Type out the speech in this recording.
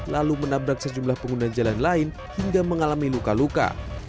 lalu menabrak sejumlah pengguna jalan lain hingga mengalami luka luka